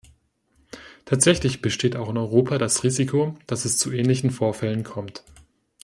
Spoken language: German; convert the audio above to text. Tatsächlich besteht auch in Europa das Risiko, dass es zu ähnlichen Vorfällen kommt.